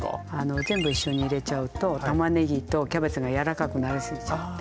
全部一緒に入れちゃうとたまねぎとキャベツがやわらかくなりすぎちゃって。